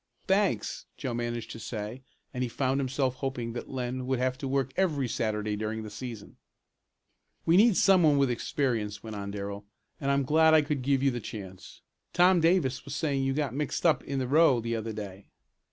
"Thanks!" Joe managed to say and he found himself hoping that Len would have to work every Saturday during the season. "We need some one with experience," went on Darrell, "and I'm glad I could give you the chance. Tom Davis was saying you got mixed up in the row the other day."